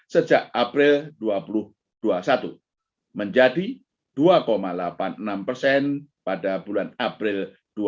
sejak april dua ribu dua puluh satu menjadi dua delapan puluh enam persen pada bulan april dua ribu dua puluh